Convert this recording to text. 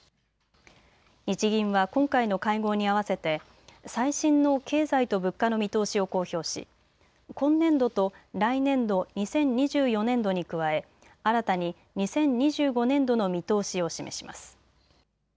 日銀は今回の会合に合わせて最新の経済と物価の見通しを公表し今年度と来年度２０２４年度に加え新たに２０２５年度の見通しを示します。